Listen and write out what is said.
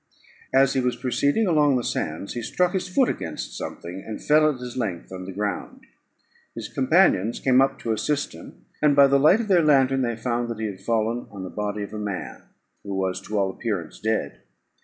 As he was proceeding along the sands, he struck his foot against something, and fell at his length on the ground. His companions came up to assist him; and, by the light of their lantern, they found that he had fallen on the body of a man, who was to all appearance dead.